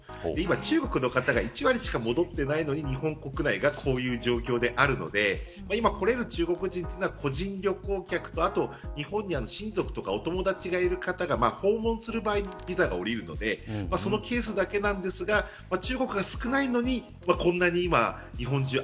中国の方が１割しか戻っていないのに日本国内がこういう状況なので今来れる中国人は個人旅行か日本に親族やお友達がいる方が訪問する場合にビザが下りるので中国が少ないのに今これだけ日本中に